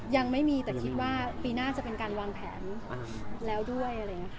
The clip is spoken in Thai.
ยังไม่มีแต่คิดว่าปีหน้าจะเป็นการวางแผนแล้วด้วย